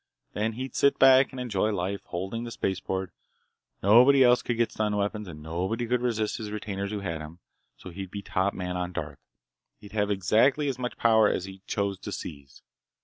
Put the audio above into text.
Then he'd sit back and enjoy life. Holding the spaceport, nobody else could get stun weapons, and nobody could resist his retainers who had 'em. So he'd be top man on Darth. He'd have exactly as much power as he chose to seize.